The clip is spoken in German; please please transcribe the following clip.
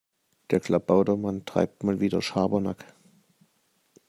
Der Klabautermann treibt mal wieder Schabernack.